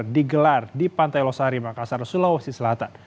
digelar di pantai losari makassar sulawesi selatan